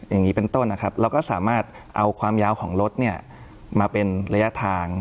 อย่างนี้เป็นต้นนะครับเราก็สามารถเอาความยาวของรถเนี่ยมาเป็นระยะทาง